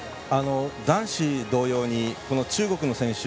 男子同様に中国の選手盧